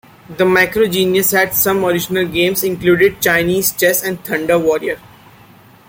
The Micro Genius had some original games, including "Chinese Chess" and "Thunder Warrior".